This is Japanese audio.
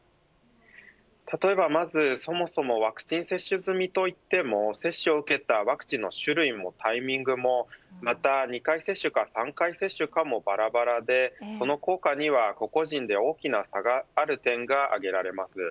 例えばまずそもそもワクチン接種済みといっても接種を受けたワクチンの種類もタイミングもまた２回接種が３回接種かもばらばらでその効果には個々人で大きな差がある点が挙げられます。